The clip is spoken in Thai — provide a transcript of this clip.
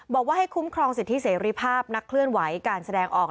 บอกว่าให้คุ้มครองสิทธิเสรีภาพนักเคลื่อนไหวการแสดงออก